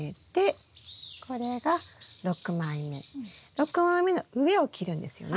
６枚目の上を切るんですよね？